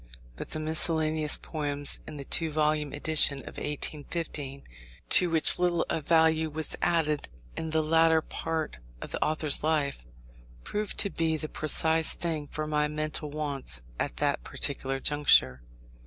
But the miscellaneous poems, in the two volume edition of 1815 (to which little of value was added in the latter part of the author's life), proved to be the precise thing for my mental wants at that particular juncture.